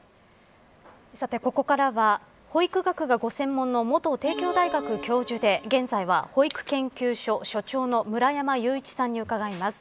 ここからは保育学がご専門の元帝京大学教授で現在は保育研究所、所長の村山祐一さんに伺います。